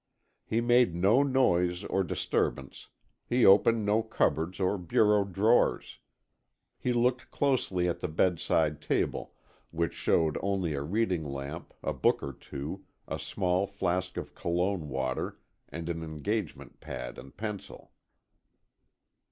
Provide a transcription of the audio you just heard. He made no noise or disturbance, he opened no cupboards or bureau drawers. He looked closely at the bedside table, which showed only a reading lamp, a book or two, a small flask of cologne water and an engagement pad and pencil.